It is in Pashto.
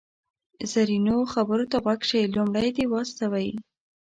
زرینو خبرو ته غوږ شئ، لومړی دې و استوئ.